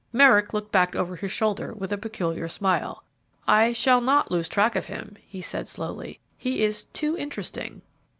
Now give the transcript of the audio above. Merrick looked back over his shoulder with a peculiar smile. "I shall not lose track of him," he said, slowly; "he is too interesting."